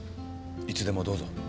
いつでもどうぞ。